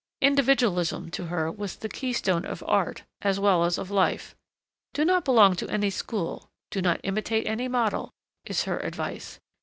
Individualism was to her the keystone of art as well as of life. 'Do not belong to any school: do not imitate any model,' is her advice.